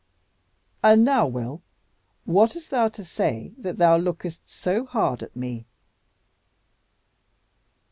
And now, Will, what hast thou to say that thou lookest so hard at me?"